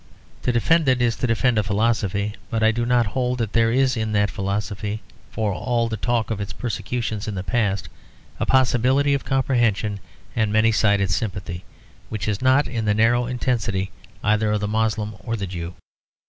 To defend it is to defend a philosophy; but I do hold that there is in that philosophy, for all the talk of its persecutions in the past, a possibility of comprehension and many sided sympathy which is not in the narrow intensity either of the Moslem or the Jew.